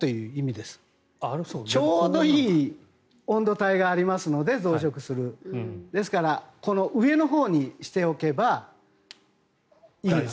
増殖するのにちょうどいい温度帯がありますのでですから、この上のほうにしておけばいいんです。